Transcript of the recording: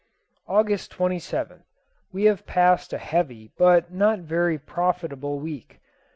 August 27th. We have passed a heavy but not very profitable week.